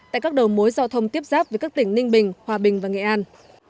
tại các đầu mối giao thông tiếp giáp với các tỉnh ninh bình hòa bình và nghệ an